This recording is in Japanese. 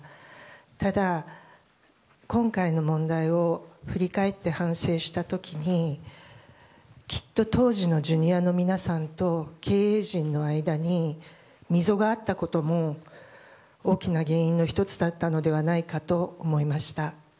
ただ、今回の問題を振り返って反省した時にきっと、当時のＪｒ．の皆さんと経営陣の間に溝があったことも大きな原因の１つだったのではないかと思いました。